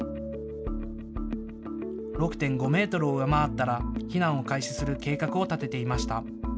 ６．５メートルを上回ったら避難を開始する計画を立てていました。